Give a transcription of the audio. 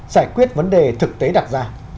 giải quyết vấn đề thực tế đặc biệt